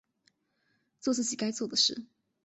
作自己该做的事